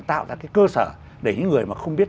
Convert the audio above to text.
tạo ra cái cơ sở để những người mà không biết